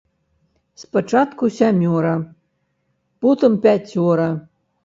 Спачатку сямёра, потым пяцёра.